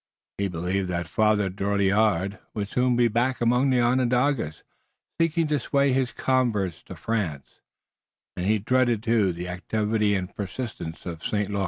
He believed that Father Drouillard would soon be back among the Onondagas, seeking to sway his converts to France, and he dreaded, too, the activity and persistency of St. Luc.